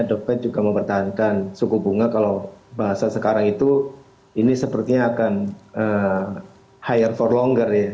the fed juga mempertahankan suku bunga kalau bahasa sekarang itu ini sepertinya akan higher for longer ya